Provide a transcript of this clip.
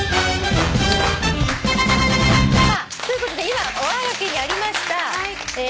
さあということで今おはがきにありました